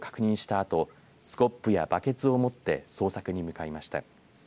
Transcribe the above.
あとスコップやバケツを持って捜索に向かいました。